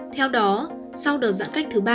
theo đó sau đợt giãn cách thứ ba